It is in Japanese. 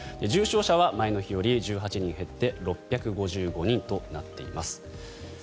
重症者は前の日より１８人減って６５５人となっています。